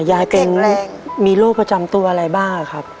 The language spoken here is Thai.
ยายเป็นมีโรคประจำตัวอะไรบ้างอ่ะครับ